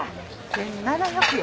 １７００円。